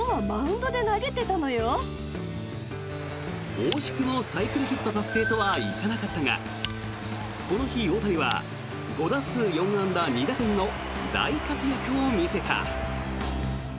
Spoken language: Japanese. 惜しくもサイクルヒット達成とはいかなかったがこの日、大谷は５打数４安打２打点の大活躍を見せた。